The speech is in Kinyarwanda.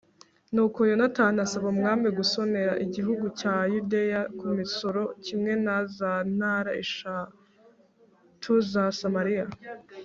nuko yonatani asaba umwami gusonera igihugu cya yudeya ku misoro kimwe na za ntara eshatu za samariya